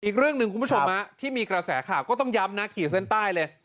อีกเรื่องหนึ่งคุณผู้ชมที่มีกระแสข่าวก็ต้องย้ำนะขีดเส้นใต้เลย